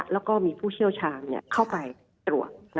แล้วก็มีผู้เชี่ยวชาญเข้าไปตรวจ